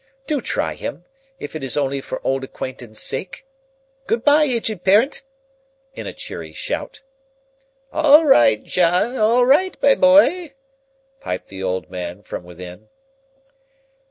Do try him, if it is only for old acquaintance sake. Good bye, Aged Parent!" in a cheery shout. "All right, John; all right, my boy!" piped the old man from within.